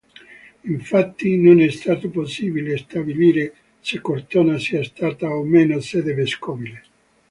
Infatti non è stato possibile stabilire se Cortona sia stata o meno sede vescovile.